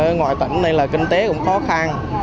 sinh viên ở ngoài tỉnh này là kinh tế cũng khó khăn